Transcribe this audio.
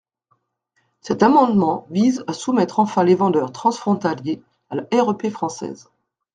Cet amendement vise à soumettre enfin les vendeurs transfrontaliers à la REP française.